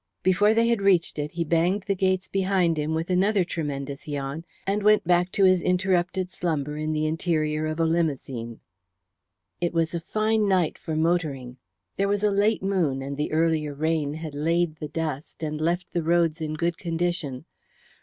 Before they had reached it, he banged the gates behind him with another tremendous yawn, and went back to his interrupted slumber in the interior of a limousine. It was a fine night for motoring. There was a late moon, and the earlier rain had laid the dust and left the roads in good condition.